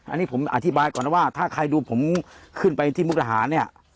อันนี้ผมอธิบายก่อนนะว่าถ้าใครดูผมขึ้นไปที่มุกดาหารเนี่ย